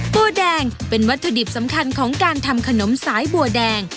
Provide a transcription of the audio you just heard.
บัวแดงเป็นวัตถุดิบสำคัญของการทำขนมสายบัวแดง